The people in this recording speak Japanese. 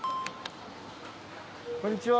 こんにちは。